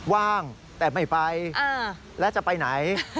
ว่างแต่ไม่ไปแล้วจะไปไหน